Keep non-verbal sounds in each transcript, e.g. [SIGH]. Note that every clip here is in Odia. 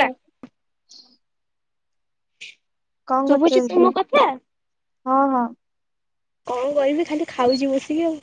ହେଲା ହଉ। କଣ କରୁଚ ଶୁଭୁଛି ତୁମ ଦିଦି? କଥା ହଁ ହଁ। କଣ କଇବି ଖାଲି ଖାଉଚି ବସିକି ଆଉ।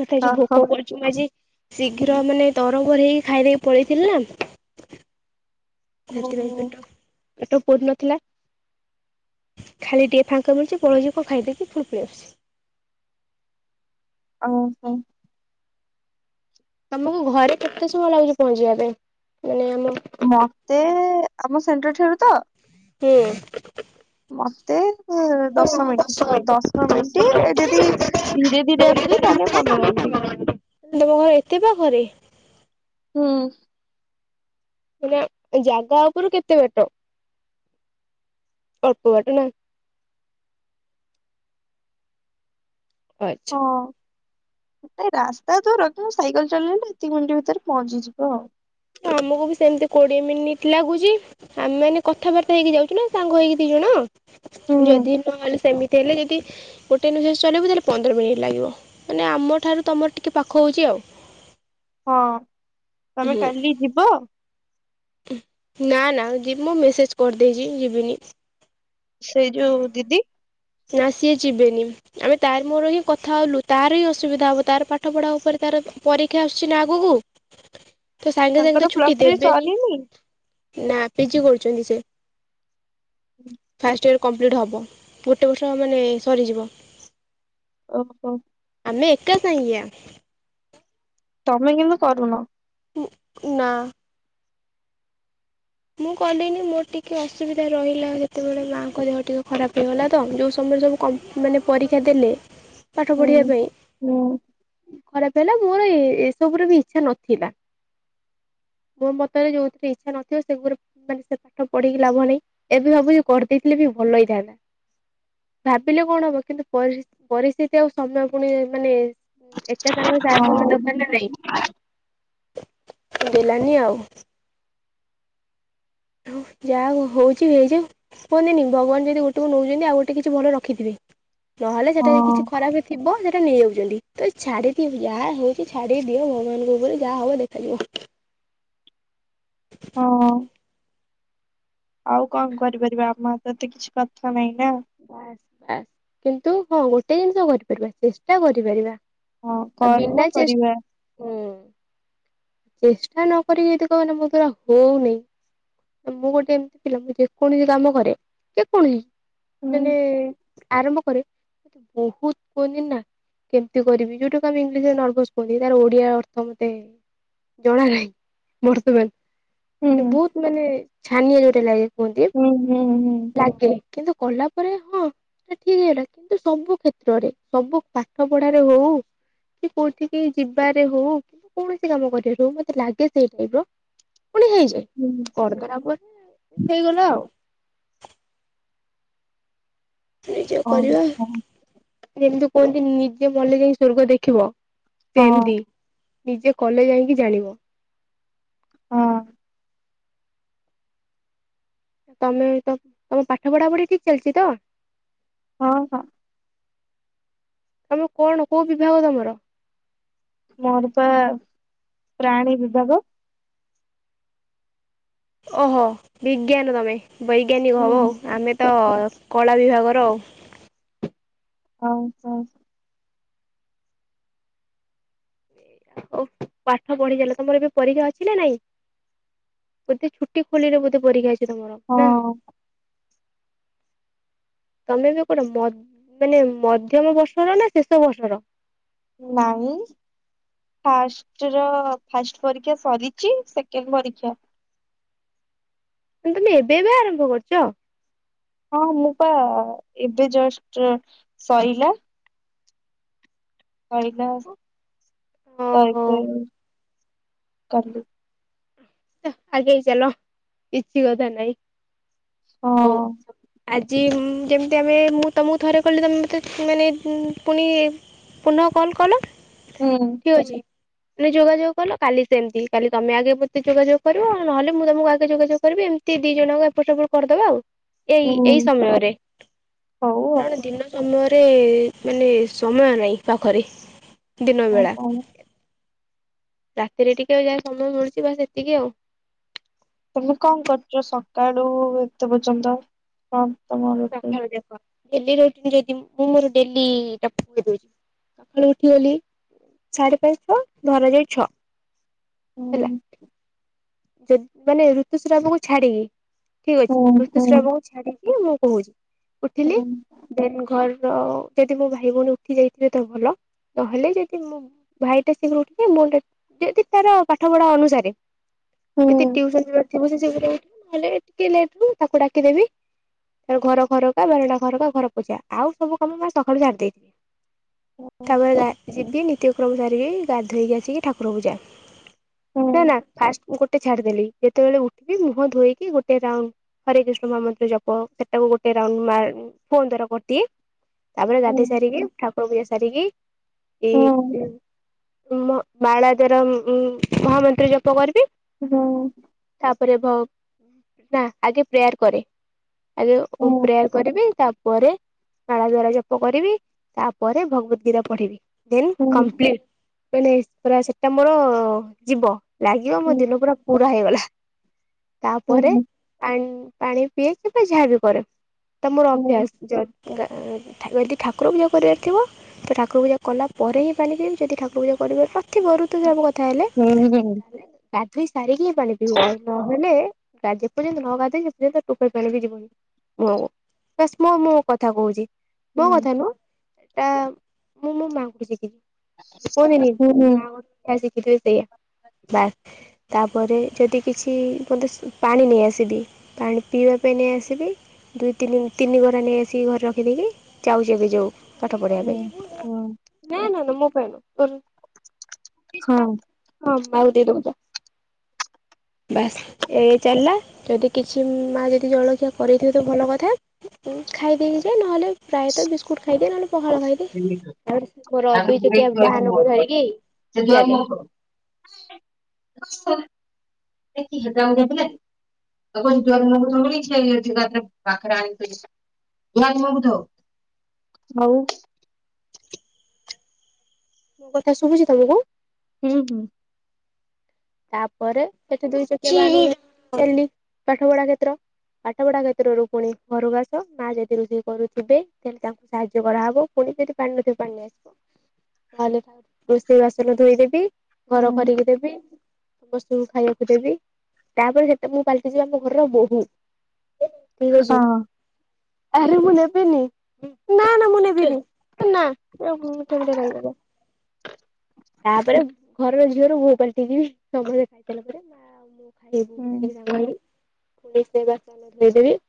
ମତେଆଜି ଓହୋ ଭୋକ କରୁଛି ମୁଁ ଆଜି ଶୀଘ୍ର ମାନେ ତରଭର ହେଇଖାଇ ଦେଇ ପଳେଇଥିଲି ନା। [INAUDIBLE] ସେଥିପାଇଁ ଓହୋ ପେଟ ପେଟ ପୁରି ନଥିଲା। ଖାଲି ଟିକେ ଫାଙ୍କା ମିଳୁଚି ପଳେଇଯିବ ଖାଇଦେକି ଫୁଣି ପଲେଇ ଆସୁଚି। ଅମକୁ କନ୍ ତମକୁ ଘରେ କେତେ ସମୟ ଲାଗୁଚି ପହଞ୍ଚିବା ପାଇଁ ମାନେ ଆମ ମତେ ଆମ ସେଣ୍ଟର ଠାରୁ ତ? ହୁଁ। ମତେ ଦଶ ମିଣ୍ଟ ଦଶ ମିଣ୍ଟ ତମ ଯଦି ଧୀରେ ଧୀରେ ଆସିଲେ ତାହେଲେ ପନ୍ଦର ମିିନିଟି। ତମ ଘର ଏତେ ପାଖରେ। ହୁଁ। ନା ଜାଗା ଉପରୁ କେତେ ବାଟ? ଅଳ୍ପ ବାଟ ନା? ଆଚ୍ଛା। ହଁ। ରାସ୍ତା ଦୂର ସାଇକେଲ ଚଳେଇଲେ ଦି ତିନି ମିଣ୍ଟ ଭିତରେ ପହଞ୍ଚିଯିବ। ଆମକୁ ବି ସେମିତି କୋଡିଏ ମିନିଟ୍ ଲାଗୁଚି ଆମେ ମାନେ କଥାବାର୍ତ୍ତା ହେଇକି ଯାଉଚୁ ନା ସାଙ୍ଗ ହେଇକି ଦି ଜଣ। ହୁଁ ଯଦି ନହେଲେ ସେମିତି ହେଲେ ସେଇଟି ଗୋଟେ ମିନିଟ ଚଲେଇବୁ ତାହେଲେ ପନ୍ଦର ମିନିଟ୍ ଲାଗିବ ମାନେ ଆମ ଠାରୁ ତମର ଟିକେ ପାଖ ହଉଚି ଆଉ। ହଁ ତମେ ହୁଁ କାଲି ଯିବ? ନା ନା ଯି- ମୁଁ ମେସେଜ୍ କରିଦେଇଚି ଯିବିନି। ସେଇ ଯୋଉ ଦିଦି? ନା ସିଏ ଯିବେନି। ଆମେ ତାର ମୋର ହିଁ କଥା ହଲୁ ତାର ହିଁ ଅସୁବିଧା ହବ ତାର ପାଠ ପଢା ଉପରେ ତାର ପରୀକ୍ଷା ଆସୁଛି ନା ଆଗକୁ। [INAUDIBLE] ତ ସାଙ୍ଗେ ସାଙ୍ଗେ ତ ତାଙ୍କର ଛୁଟି ପ୍ଲସ୍ ଥ୍ରୀ ଦେବେ ନି। ସରିନି ନା ପିଜି କରୁଛନ୍ତି ସେ ଫାଷ୍ଟ ଇୟର୍ କମ୍ପ୍ଲିଟ୍ ହେବ। ଗୋଟେ ବର୍ଷ ମାନେ ସରିଯିବ। ଓହୋ। ଆମେ ଏକା ସାଙ୍ଗିଆ। ତମେ କିନ୍ତୁ କରୁନ। ନା। ମୁଁ କଲିନି ମୋର ଟିକେ ଅସୁବିଧା ରହିଲା ଯେତେବେଳେ ମାଆଙ୍କ ଦେହ ଟିକେ ଖରାପ ହେଇଗଲା ତ ଯୋଉ ସମୟରେ ସବୁ କ ମାନେ ପରୀକ୍ଷା ଦେଲେ [INAUDIBLE] ପାଠ ପଢିବା ପାଇଁ ହୁଁ ଖରାପେ ହେଲା ମୋର ଏ ଏସବୁରେ ବି ଇଛା ନଥିଲା। ମୋ ମତରେ ଯୋଉଥିରେ ଇଛା ନ ସେ [UNINTELLIGIBLE] ମାନେ ସେ ପାଠ ପଢେଇକି ଲାଭ ନାହିଁ ଏବେ ଭାବୁଛି କରିଦେଇଥିଲେ ବି ଭଲ ହେଇଥାନ୍ତା। ଭାବିଲେ କଣ ହବ କିନ୍ତୁ ପରି ପରିସ୍ଥିତି ଆଉ ସମୟ ପୁଣି ମାନେ ଏକା ସାଙ୍ଗରେ ସାର୍ ଦବା ହଁ ଦରକାର ନା ନାଇଁ ଦେଲାନି ଆଉ। ଯା ହଉଛି ହେଇଯାଉ। କୁହନ୍ତିନି ଭଗବାନ ଯଦି ଗୋଟେକୁ ନଉଚନ୍ତି ଆଉ ଗୋଟେ କିଛି ଭଲ ରଖିଥିବେ। ନହେଲେ ସେଟାରେ ହଁ। କିଛି ଖରାପ ଥିବ ସେ ଟା ନେଇ ଯାଉଚନ୍ତି ତ ଛାଡି [UNINTELLIGIBLE] ଯାହା ହଉଛି ଛାଡି ଦିଅ ଭଗବାନଙ୍କ ଉପରେ ଯାହା ହବ ଦେଖାଯିବ। ହଁ। ଆଉ କଣ କରିପାରିବା ଆମର ତ ଏତେ କିଛି କଥା ନାହିଁ ନା। ବାସ୍ ବାସ୍ କିନ୍ତୁ ହଁ ଗୋଟେ ଜିନିଷ କରିପାରିବା ଚେଷ୍ଟା କରିପାରିବା। ହଁ ଆ କର୍ମ ବିନା ଚେସ୍ କରିବା ହୁଁ। ଚେଷ୍ଟା ନ କରିକି ଯଦି କହିବ ନା ମୋ ଦ୍ୱାରା ହଉନି। ମୁଁ ଗୋଟେ ଏମିତି ପିଲା ମୁଁ ଯେକୌଣସି କାମ କରେ ଯେକୌଣସି ହୁଁ ମାନେ ଆରମ୍ଭ କରେ ବହୁତ୍ କୁହନ୍ତି ନା କେମିତି କରିବି ଯଉଟାକୁ ଆମେ ଇଂଲିଶରେ ନର୍ଭସ୍ କୁହନ୍ତି ତାର ଓଡିଆ ଅର୍ଥ ମୋତେ ଜଣା ନାହିଁ ହୁଁ ବର୍ତ୍ତମାନେ ବହୁତ ମାନେ ଛାନିଆ ଯଉଟାରେ ଲାଗେ କୁହନ୍ତି। ହୁଁ ହୁଁ ହୁଁ। ଲାଗେ କିନ୍ତୁ କଲା ପରେ ହଁ। ଆ ଠିକ୍ ଏଟା [UNINTELLIGIBLE] ସବୁ କ୍ଷେତ୍ରରେ ସବୁ ପାଠ ପଢାରେ ହଉ କି କୋଉଠିକି ଯିବାରେ ହଉ କୌଣସି କାମ କରିବାରେ ହଉ ମତେ ଲାଗେ ସେଇ ଟାଇପ ର। ପୁଣି ହେଇଯାଏ। ହୁଁ। କରିଦେଲା ପର ହେଇଗଲା ଆଉ। ନିଜେ ଓହୋ କରିବା ହଁ ଯେମିତି କୁହନ୍ତି ନିଜେ ମଲେ ଯାଇ ସ୍ୱର୍ଗ ଦେଖିବ। ହଁ ସେମତି ନିଜେ କଲେ ଯାଇଁକି ଜାଣିବ। ହଁ। ତମେ ତ ତମ ପାଠ ପଢା ପଢି ଠିକ୍ ଚାଲିଚି ତ। ହଁ ହଁ। ଆମ କଣ କୋଉ ବିଭାଗ ତମର? ମୋର ପା ପ୍ରାଣୀ ବିଭାଗ। ଓହୋ, ବିଜ୍ଞାନ ତମେ ବୈଜ୍ଞାନିକ ହୁଁ ହବ ଆଉ। ଆମେ ତ କଳା ବିଭାଗର। ହଉ, ହଉ। ଓ, ପାଠ ପଢ଼ି ଚାଲ, ତମର ଏଵେ ପରୀକ୍ଷା ଅଛି ନା ନାଇଁ? ବୋଧେ ଛୁଟି ଖୋଲିଲେ ବୋଧେ ପରୀକ୍ଷା ଅଛି ତମର ନା? ହଁ। ତମେ ଏବେ କୋଠେ, ମାନେ ମଧ୍ୟମ ବର୍ଷର ନା ଶେଷ ବର୍ଷର? ନାଇଁ। ଫାଷ୍ଟ ର-ଅ ଫାଷ୍ଟ ପରୀକ୍ଷା ସରିଛି, ସେକେଣ୍ଡ ପରୀକ୍ଷା। ତମେ ଏବେ ଏବେ ଆରମ୍ଭ କରିଛ। ହଁ, ମୁଁ ପା ଏବେ ଜଷ୍ଟ ସଇଲା। କହିିଲ ଓହୋ ତାହିକ କଲି। ହେ, ଆଗେଇ ଚାଲ, କିଛି କଥା ନାଇଁ। ହଉ। ହଁ-ଅ-ଅ। ଆଜି ଯେମିତି ଆମେ, ମୁଁ ତମକୁ ଥରେ କଲି, ତମେ ମତେ, ମାନେ ପୁଣି ପୁନଃ କଲ୍ କଲ। ହୁଁ। ଠିକ୍ ଅଛି, ତମେ ଯୋଗାଯୋଗ କଲ, କାଲି ସେମିତି, କାଲି ତମେ ଆଗେ ତେ ଯୋଗାଯୋଗ କରିବ, ନହେଲେ ମୁଁ ତମକୁ ଆଗେ ଯୋଗାଯୋଗ କରିବି। ଏମିତି ଦି ଜଣ ଏପଟ ସେପଟ କରିଦେବା ଆଉ। ଏଇ ହୁଁ ଏଇ ସମୟରେ। ହଉ ସମୟରେ, ମାନେ ସମୟ ନାହିଁ ପାଖରେ, ଆଉ ଦିନବେଳା। କଣ ରାତିରେ ଟିକେ ଯାହା ସମୟ ମିଳୁଛି ବାସ୍‌ ସେତିକି ଆଉ। ତମେ କଣ କରୁଛ, ସକାଳୁ ଏତେ ପର୍ଯ୍ୟନ୍ତ? [UNINTELLIGIBLE] ସଖାଳୁ ଦେଖ, ଡେଲି ଯାଉଥିବି ଯଦି, ମୁଁ ମୋର ଡେଲି ଚପଲ ଧୋଉଛି। ସକାଳୁ ଉଠିଗଲି ସାଢେ ପାଞ୍ଚଟା ନହେଲେ ଯାଇଛଅ ହେଲା ହଉ ଯଦିମାନେ ଋତୁସ୍ରାବ କୁ ଛାଡ଼ିକି, ଠିକ୍ ଅଛି, ହୁଁ ହୁଁ ଋତୁସ୍ରାବ କୁ ଛାଡ଼ିକି ମୁଁ କହୁଛି। ଉଠିଲି। ହୁଁ ଦେନ୍‌ ଘର ଯଦି ମୋ ଭାଇ ଭଉଣୀ ଉଠି ଯାଇଥିବେ ତ ଭଲ, ନହେଲେ ଯଦି ମୁଁ ଭାଇଟା ଶୀଘ୍ର ଉଠେ, ମୋ ଯଦି ତାର ପାଠ ପଢ଼ା ଅନୁସାରେ ହୁଁ ଯଦି ଟିଉସନ ଯିବାର ଥିବ ସେ ଶୀଘ୍ର ଉଠେ, ନହେଲେ ଟିକେ ଲେଟ୍ ରେ ତାକୁ ଡାକିଦେବି। ଘର ଘରକା, ବାରଣ୍ଡାଘରକା, ଘର ପୋଛା ଆଉ ସବୁ କାମ ମା ସକାଳୁ ସାରିଦିଏ। ତାପରେ ଗା ଯିବି ନିତ୍ୟ କ୍ରମସାରିକି ଗାଧୋଇକି ଆସିକି, ଠାକୁର ପୂଜା। ନା, ହୁଁ ନା, ଫାଷ୍ଟ ମୁଁ ଗୋଟେ ଛାଡ଼ିଦେଲିି, ଯେତେବେଳେ ଉଠି ମୁହଁ ଧୋଇକି, ଗୋଟେ ରାଉଣ୍ଡ ହରେ କୃଷ୍ଣ ମହା ମନ୍ତ୍ରଜପ ହେଟାକୁଗୋଟେ ରାଉଣ୍ଡ ମାରି ଫୋନ ଦ୍ଵାରା ବଟି ତାପରେ ହୁଁ ହୁଁ ଗାଧୋଇ ସାରିକି, ଠାକୁର ପୂଜା ସାରିକି, ଏଇ ଉ ଉମ ମାଳା ଦ୍ଵାର ମହାମନ୍ତ୍ର ଜପ କରିବି। ହୁଁ। ତାପରେ ଭୋ ନା, ଆଗେ ପ୍ରେୟାର କରେ ଆଗେ ପ୍ରେୟାର କରିବି, ତାପରେ ମାଳା ଦ୍ଵାରାଜପ କରିବି, ତାପରେ ଭଗବଦ୍ ଗୀତା ପଢିବି। ଦେନ୍‌ ହୁଁ ହୁଁ କମ୍ପପ୍ଳିଟ୍। ସେଟା ମୋର ଯିବ ଲାଗିବ, ମୋ ଦିନ ପୁରା ପୁରା ହେଇଗଲା। ହୁଁ ତାପରେ ହୁଁ ପାଣି ପାଣି ପିଏ କିମ୍ବା ଯାହା ବି କରେ, ତ ମୋର ଅଭ୍ୟାସ। ଯଦି ଯଦି ଠାକୁର ପୂଜା କରିବାର ଥିବ ତଠାକୁର ପୂଜା କଲା ପରେ ହିଁପାଣି ପିଇବି, ଯଦି ଠାକୁରପୂଜା କରିବାର ନଥିବ, ଋତୁସ୍ରାବ କଥା ହେଲେ ହୁଁ, ହୁଁ। ଗାଧୋଇ ସାରିକି ପାଣି ପିବ ନହଲେ ଯେପର୍ଯ୍ୟନ୍ତ ନ ଗାଧେଇଛୁ ପର୍ଯ୍ୟନ୍ତ ଟେପେପାଣି ବି ଯିବନି। ମୁଁ ମୁଁ ଭିଷ୍ମ ମୋ କଥା କହୁଛି ହଁ ମୋ କଥା ନୁହଁ। ତା ମୁଁ ମୋ ମାଆଙ୍କଠୁ ଶିଖିଛି କହିବିନି ଯାହା ଶିଖିଥିଲୁସେଆ ବାସ୍ ତାପରେ ଯଦି କିଛି ମୋତେ ପାଣି ନେଇଆସିଲି ପାଣି ପିଇବା ପାଇଁ ନେଇଆସିବି ଦି ତିନି ତିନିଗରା ନେଇ ଆସିକି ଘରେ ରଖିଦେବି ଯାଉଯେବେ ଯାଉ ପାଠ ପଢିଆ ପାଇଁ ନା ନା ନା ମୋ ପାଇଁ ନୁହଁ ମା କୁ ଦେଇଦେବୁ ଯା ବାସ୍ ଏ ଚାଲିଲା ଯଦି କିଛି ମା ଯଦି ଜଳଖିଆ କରିଥିବେ ତ ଭଲ କଥା ଖାଇ ଦେଇକି ଯାଏ ନହେଲେ ପ୍ରାୟତଃ ବିସ୍କୁଟ୍ ଖାଇଦିଏ ନହେଲେ ପଖାଳ ଖାଇଦିଏ ହୁଁ। ହୁଁ ଆଉ ତେ ରବି ଚୁଟିଆ ବାହାନକୁଧରିକି ଚାଲେ [UNINTELLIGIBLE] [UNINTELLIGIBLE] [UNINTELLIGIBLE] ଆଉ ମୋ କଥା ଶୁଭୁଛି ତମକୁ? ହୁଁ ହୁଁ। ତାପରେ ସେଠି ଦୁଇ ଚକିଆ [UNINTELLIGIBLE] ପାଠ ପଢା କ୍ଷେତ୍ର ପାଠ ପଢ଼ା କ୍ଷେତ୍ରରୁ ପୁଣି ଘରକୁ ଆସ ମା ଯଦି ରୋଷେଇ କରୁଥିବେ ତାହେଲେ ତାଙ୍କୁ ସାହାଯ୍ୟ କରାହେବ ସେଠି ପାଣି ନ ଥିବ ପାଣି ନେଇ ଆସ ତାହଲେ ରୋଷେଇ ବାସନ ଧୋଇଦେବି ଘର କରିକି ଦେବି ସମସ୍ତଙ୍କୁ ଖାଇବାକୁ ଦେବି ତାପରେ ସେତ ମୁଁ ପାଲଟି ଯିବି ଆମ ଘରର ବୋହୂ ଠିକ ଅଛି ଆରେ ମୁଁ ନେବିନି ନା ନା ମୁଁ ନେବିିନି ନା ମିଠା ମିଠା ଲାଗିବ ଯା ତାପରେ ଘରର ଝିଅରୁ ବୋହୁ ପାଲଟି ଯିବି। ସଭିଏଁ ଖାଇସାରିଲା ପରେ ମା ମୁଁ ଖାଇବୁ ହଁ ହୁଁ ବସିକି ସାଙ୍ଗ ହେଇକି ପୁଣି ସେ ବାସନ ଧୋଇଦେବି।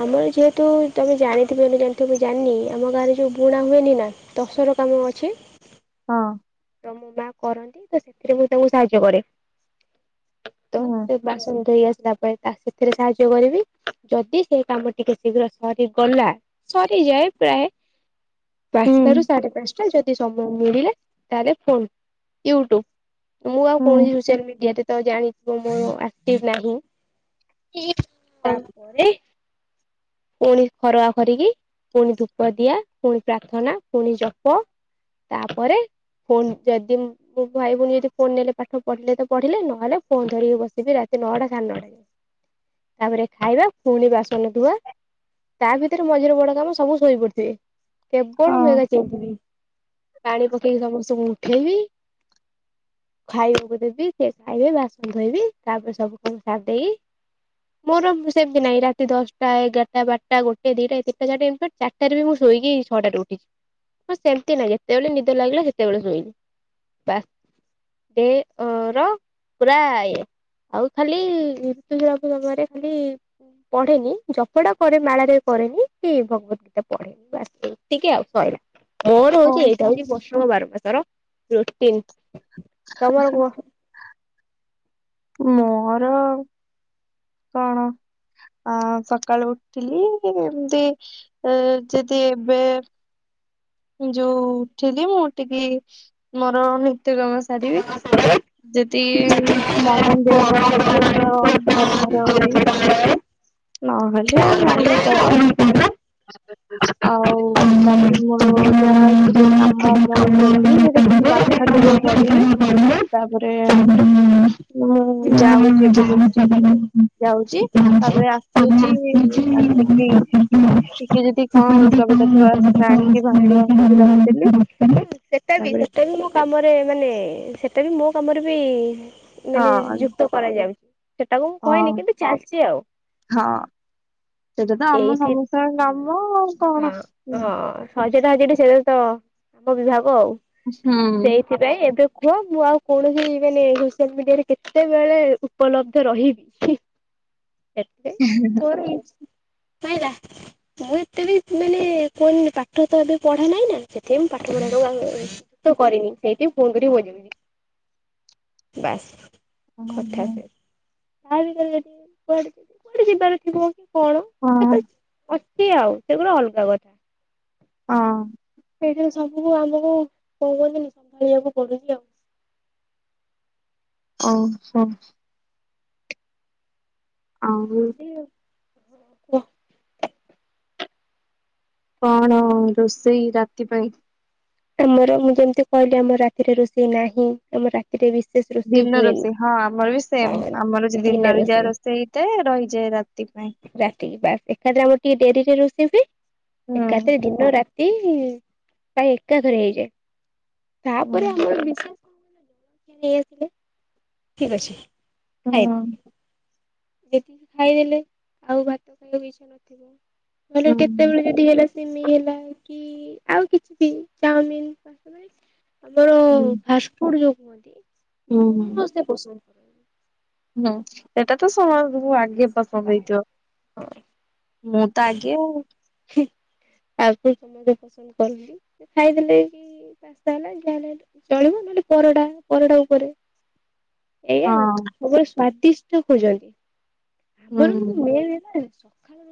ଆମର ଯେହେତୁ ତମ ଜାଣିଥିବେ ନ ଜାଣିଥିବ ମୁଁ ଜାଣିନି ଆମ ଗାଁରେ ଯୋଉ ବୁଣା ହୁଏନି ନା ଟସର କାମ ଅଛି? ହଁ। ତ ମୋ ମା କରନ୍ତି ତ ସେଥିରେ ମୁଁ ତାଙ୍କୁ ସାହାଯ୍ୟ କରେ। ତ ହୁଁ। ସେ ବାସନ ଧୋଇଆସିଲା ପରେ ତା ସେଥିରେ ସାହାଯ୍ୟ କରିବି ଯଦି ସେ କାମଟିକେ ଶୀଘ୍ର ସରିଗଲା ସରିଯାଏ ପ୍ରାୟ ହୁଁ ପାଞ୍ଚଟାରୁ ସାଢେ ପାଞ୍ଚଟା ଯଦି ସମୟ ମିଳିଲା ତାହେଲେ ଫୋନ ୟୁଟ୍ୟୁବ ମୁଁ ଆଉ ହୁଁ କୌଣସି ସୋସିଆଲ ମିଡିଆରେ ତ ଜାଣି ମୁଁ ଆକ୍ଟିଭ ନାହିଁ, [UNINTELLIGIBLE] ପରେ ପୁଣି ଖରଆ ଖରିକି ପୁଣି ଧୂପ ଦିଆ ପୁଣି ପ୍ରାର୍ଥନା ପୁଣି ଜପ ତାପରେ ଫୋନ ଯଦି ମୋ ଭାଇ ଭଉଣୀ ଯଦି ଫୋନ ନେଲେ ପାଠ ପଢିଲେ ତ ପଢିଲେ ନହେଲେ ଫୋନ ଧରିକି ବସିବି ରାତି ନଅଟା ସାଢେ ନଅଟା ତାପରେ ଖାଇବା ପୁଣି ବାସନ ଧୁଆ ତା ଭିତରେ ମଝିରେ ବଡ କାମ ସବୁ ଶୋଇ ପଡିଥିବେ କେବଳ ହଁ ମୁଁ ଏକା ଚେଇଁଥିବି ପାଣି ପକେଇକି ସମସ୍ତଙ୍କୁ ଉଠେଇବି ଖାଇବାକୁ ଦେବି ସେ ଖାଇବେ ବାସନ ଧୋଇବି ତାପରେ ସବୁ କାମ ସାରିଦେଇ ମୋର ସେମିତି ନାହିଁ ରାତି ଦଶ ଟା ଏଗାରଟ ବାରଟା ଗୋଟେ ଦିଟା ତିନଟା ଚାରିଟାରେ ବି ମୁଁ ଶୋଇକି ଛଅଟାରେ ଉଠିଛି। ହଁ ସେମତି ନାଗେ ଯେତେଳେ ନିଦ ଲାଗିଲା ସେତେବେଳେ ଶୋଇନି ତା ଏଓର ପୁରାଏ। ଆଉ ଖାଲି ଋତୁସ୍ରାବ ସମୟରେ ଖାଲି ପଢେନି। ଜପଟା କରେ ମାଳାରେ କରେନି କି ଭଗବତ ଗୀତା ପଢେନି ବାସେ ଏତିକି ଆଉ ସଇଲା। ମୋର ହଉଛି ହଉ ଏଇଟା ହଉ। ହଉଛି ବର୍ଷକ ବାର ମାସର ରୁଟିନ୍। ତମର କୁହ? ମୋର କଣ। ଅ ସକାଳୁ ଉଠିଲି ଏମତି ଯେଦି ଏବେ ଯୋଉ ଉଠିଲି ଉଠିକି ମୋର ନିତ୍ୟ କାମ ସାରିବି। ଆଉ ପଢାରେ? ଯେଦି ମମି ଦେହ ଭଲ ନଥିବ ତ ଘର ଦ୍ୱାର ଓଳେଇବି। ନହେଲେ ମମି କରେ। ଆଉ ତାପରେ ସେଟା ମୋର ଯାହା ଥିବ କାମ ମୋର କରିବି ଯଦି ଯେଦି ପାଠ ଥିବ ପଢିବି ତାପରେ ଆଉ ମୁଁ ଯାଉଚି ଏବେ ଯୋଉ ଯାଉଚି। ତାପରେ ଆସୁଛି ଆସିକି ଟିକେ ଯଦି କଣ ଲୁଗାପଟା ଥିବ ଆସିଲା ଆଣିକି ଭାଙ୍ଗି ଭାଙ୍ଗି ରଖିଦେଲି। ହୁଁ ସେଟା ବି ତାପରେ ସେଟେ। ମୋ କାମରେ ମାନେ ସେଟା ବି ମୋ କାମରେ ବି ମାନେ ହଁ ଯୁକ୍ତ କରାଯାଉ। ସେଟାକୁ ମୁଁ କହିନି ହଁ କିନ୍ତୁ ଚାଲିଚି ଆଉ। ହଁ। ସେଇଟା ତ ଆମ ଏଇଠି ସମସ୍ତଙ୍କର କାମ ଆଉ କଣ। ହଚଟା ଅଛିଏଠି ସେଇଟା ତ ଆମ ବିଭାଗ ଆଉ। ହୁଁ। ସେଥିପାଇଁ ଏବେ କୁହ ମୁଁ ଆଉ କୌଣସି ମାନେ ସୋସିଆଲ ମିଡିଆରେ କେତେବେଳେ ଉପଲବ୍ଧ ରହିବି। ହୁଁ କେ କେ। ଏଁ ହେଁ ଲ। ଏଇ ନାଁ ଇଁ ଲା। ମୁଁ ଏତେ ବି ମାନେ କୁହନି ପାଠ ତ ଏବେ ପଢା ନାହିଁ ନା ସେଥିାଇ ମୁଁ ପାଠ ପଢାଟାକୁ ଆଉ ଏବେ ଗୁରୁତ୍ୱ କରନି ସେଇଥିପାଇଁ ଫୋନ୍ କରି ବହିଦେମିନେହିଁ ବାସ୍। ହଁ କଥା ସେ ଖାଲିଟାରେ ଯଦି କୁଆଡେ କୁଆଡେ ଯିବାରେ ଥିବ। କଣ ସେଟା ହଁ ତ ଅଛି ଆଉ ସେଗୁଡା ଅଲଗା କଥା। ହଁ। ସେଇଠାରୁ ସବୁକୁ ଆମକୁ କଣ କହୁଛନ୍ତି ସମ୍ଭାଳିବାକୁ ପଡୁଛି ଆଉ। ଓ ମୋ। ଆରୁ। [INAUDIBLE] [INAUDIBLE] କଣ ରୋଷେଇ ରାତି ପାଇଁ? ତମର ମୁଁ ଯେମିତି କହିଲି ଆମର ରାତିରେ ରୋଷେଇ ନାହିଁ। ତମର ରା ଏଠି ବିଶେଷରୁ ଦିନ ରୋଷେଇ ହଁ ଆମର ବି ସେମେ ଆମର ଯେ ଦିନରେ ଯାହା ରୋଷେଇ ହେଇଥାଏ ରହିଯାଏ ରାତି ପାଇଁ ରାତକି ବାସେ। ଏକାଥରେ ଆମର ଟିକେ ଡେରିରେ ରୋଷେଇ ହୁଏ ହୁଁ ଏକାଥରେ ଦିନ ରାତି ପାଇଁ। ଏକା ଥରେ ହେଇଯାଏ ହୁଁ ତାପରେ ଆମର ଡିସା କେସେରେ। ଠିକ୍ ଅଛି। ହୁଁ। ଖାଇଦେଲେ ଯେତିକି ଖାଇଦେଲେ, ଆଉ ଭାତ ଖାଇବା କିଛ ନଥିବ ନହେଲେ ହୁଁ କେତେବେଳେ [UNINTELLIGIBLE] ହେଲା, ସିମେଇ ହେଲା କି ଆଉ କିଛି ବି ଚାଓମିନ୍ [INAUDIBLE] ଆମର। ହୁଁ। ଫାଷ୍ଟଫୁଡ୍ ଯୋଉ କୁହନ୍ତି, ମୁଁ ହୁଁ। ସମସ୍ତେ ପସନ୍ଦ କ ହୁଁ, ସେଟା ତ ସମୟ ପୁବୁ ଆଗେ ପସନ୍ଦ ହେଇଥିବ। ମୁଁ ତ ଆଗେ ଆଉ। [INAUDIBLE] ପସନ୍ଦ କରଲି ଖାଇଦେଲି-ଇ [UNINTELLIGIBLE] ହେଲା ଯାହା ହେଲେ ଚଳିବ, ନହେଲେ ପରଟା, ପରଟା ଉପରେ ଏୟା ଆଉ, ହଁ। ସବୁବେଳେ ସ୍ଵାଦିଷ୍ଟ ଖୋଜନ୍ତି। ହୁଁ। ଆମର ମେନ୍ ହେଲା ସକାଳ